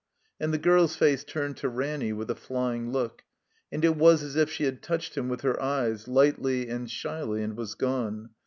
And the girl's face turned to Ranny with a flying look; and it was as if she had touched him with her eyes, lightly and shyly, and was gone.